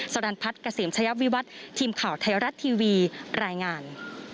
สรรพัฒน์กระเสมต์ชะยับวิวัตน์ทีมข่าวไทยรัฐทีวีรายงาน